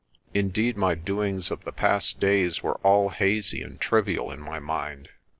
Indeed my doings of the past days were all hazy and trivial in my mind.